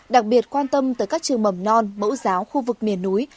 đặc biệt quan tâm tới các trường mầm non mẫu giáo khu vực miền núi